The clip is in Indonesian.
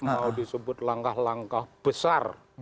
mau disebut langkah langkah besar